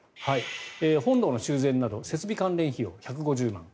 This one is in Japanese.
本堂の修繕など設備関連費用１５０万円。